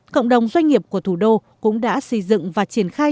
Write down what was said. cộng đồng doanh nghiệp của thủ đô cũng đã xây dựng và triển khai